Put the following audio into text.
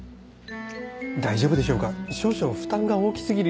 大丈夫でしょうか少々負担が大き過ぎるような。